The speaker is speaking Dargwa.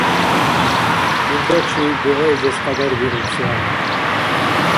— Илдачи дугьаизес кьадарбиубси ахӏен.